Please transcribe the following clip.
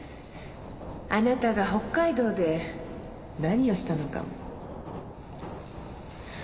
あなたが北海道で何をしたのかも。